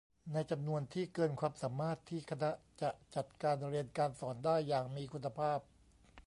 ในจำนวนที่เกินความสามารถที่คณะจะจัดการเรียนการสอนได้อย่างมีคุณภาพ